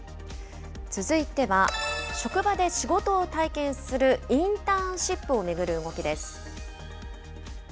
続いては、職場で仕事を体験するインターンシップを巡る動き